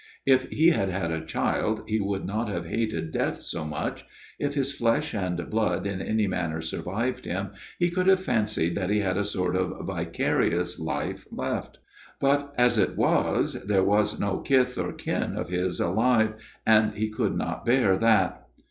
If he had had a child he would not have hated death so much ; if his flesh and blood in any manner survived him, he could have fancied that he had a sort of vicarious life left ; but as it was there was no kith or kin of his alive ; and he could not bear that."